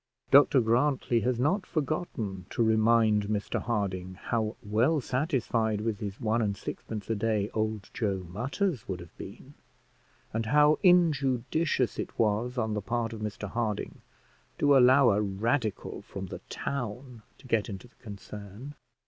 Dr Grantly has not forgotten to remind Mr Harding how well satisfied with his one and sixpence a day old Joe Mutters would have been, and how injudicious it was on the part of Mr Harding to allow a radical from the town to get into the concern.